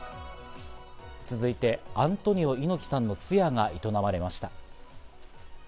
続いてアントニオ猪木さんの通夜が営まれました。